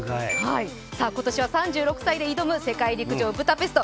今年は３６歳で挑む世界陸上ブダペスト